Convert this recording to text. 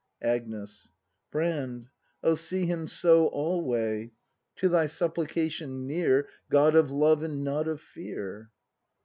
Agnes. Brand, oh see Him so alway! To thy supplication near — God of love and not of fear!